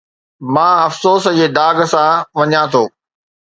مان افسوس جي داغ سان وڃان ٿو